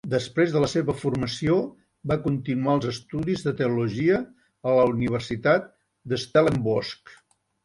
Després de la seva formació, va continuar els estudis de teologia a la Universitat de Stellenbosch.